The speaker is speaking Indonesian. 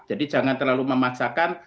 jadi jangan terlalu memaksakan